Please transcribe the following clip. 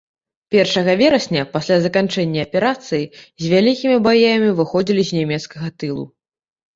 Першага верасня, пасля заканчэння аперацыі, з вялікімі баямі выходзілі з нямецкага тылу.